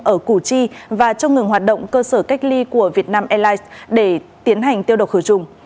ở củ chi và trong ngường hoạt động cơ sở cách ly của vietnam airlines để tiến hành tiêu độc khử trùng